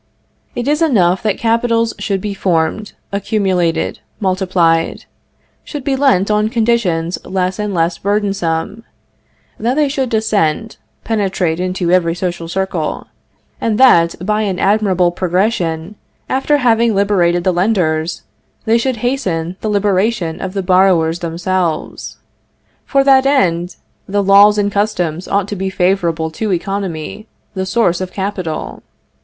It is enough that capitals should be formed, accumulated, multiplied; should be lent on conditions less and less burdensome; that they should descend, penetrate into every social circle, and that, by an admirable progression, after having liberated the lenders, they should hasten the liberation of the borrowers themselves. For that end, the laws and customs ought to be favorable to economy, the source of capital.